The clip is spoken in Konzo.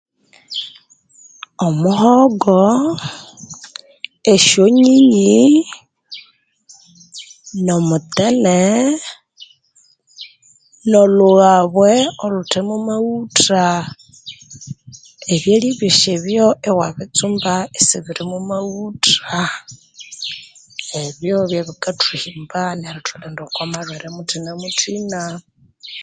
Omuhogo oshonyinyi nomutene nolhughabwe olhutemomaghutha ebyalya byosebyo ewabitsumba isibirimamaghutha ebyo byebikathuhimba nerithulinda okomalhwere muthinamuthina